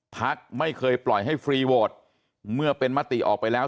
พักไม่เคยปล่อยให้ฟรีโหวตเมื่อเป็นมติออกไปแล้ว